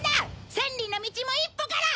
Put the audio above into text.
千里の道も一歩から！